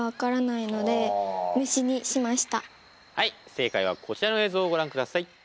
正解はこちらの映像をご覧ください。